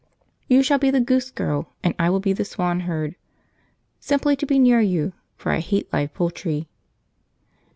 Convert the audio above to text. You shall be the Goose Girl and I will be the Swan Herd simply to be near you for I hate live poultry.